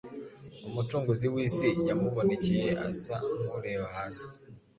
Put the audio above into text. Umucunguzi w’isi yamubonekeye asa nk’ureba hasi